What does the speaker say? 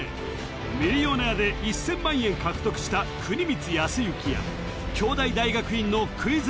「ミリオネア」で１０００万円獲得した國光恭幸や京大大学院のクイズ